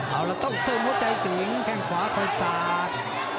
เอาละต้องซึมหัวใจสิงแข้งขวาคอยสาด